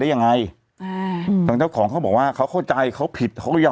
ยังไงอืมทางเจ้าของเขาบอกว่าเขาเข้าใจเขาผิดเขาหรือยัง